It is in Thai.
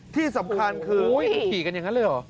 ที่สำคัญคือขี่กันอย่างนั้นเลยเหรอ